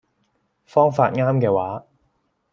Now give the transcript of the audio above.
方法啱嘅話